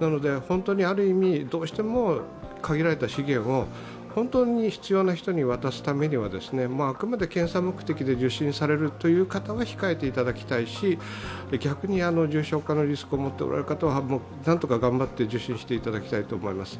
なので本当に、どうしても限られた資源を本当に必要な人に渡すためにはあくまで検査目的で受診されるという方は控えていただきたいし逆に重症化リスクを持っておられる方は何とか頑張って受診してもらいたいと思います。